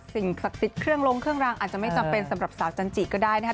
สิ่งศักดิ์สิทธิ์เครื่องลงเครื่องรางอาจจะไม่จำเป็นสำหรับสาวจันจิก็ได้นะครับ